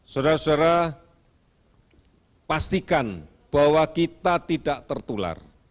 saudara saudara pastikan bahwa kita tidak tertular